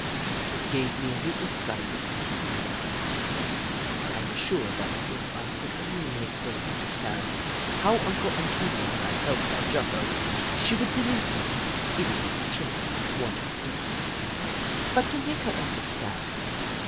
It gave me a new insight into her kind heart, and I was sure that if I could only make her un derstand how Uncle Antonio and I felt about Jocko, she would release him, even though the children wanted to play with him. But to make her understand